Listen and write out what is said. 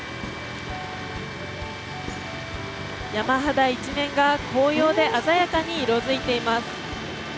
山肌一面が紅葉で鮮やかに色づいています。